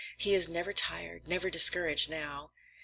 He is never tired, never discouraged, now."